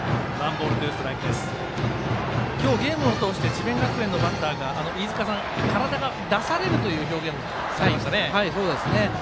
今日ゲームを通じて智弁学園のバッターが体を出されるという表現をされていましたよね。